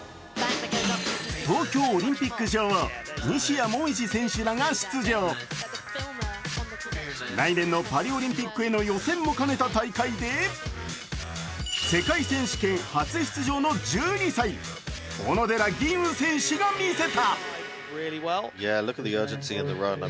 東京オリンピック女王西矢椛選手らが出場来年のパリオリンピックへの予選も兼ねた大会で世界選手権発出場の１２歳、小野寺吟雲選手が見せた。